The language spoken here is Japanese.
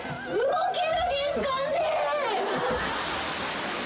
動ける玄関で！